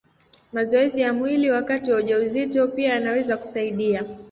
Mazoezi ya mwili wakati wa ujauzito pia yanaweza kusaidia.